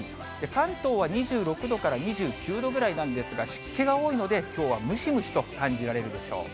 関東は２６度から２９度ぐらいなんですが、湿気が多いので、きょうはムシムシと感じられるでしょう。